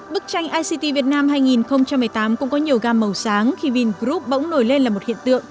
bức tranh ict việt nam hai nghìn một mươi tám cũng có nhiều gam màu sáng khi vingroup bỗng nổi lên là một hiện tượng